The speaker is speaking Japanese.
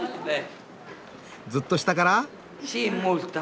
ずっと下から？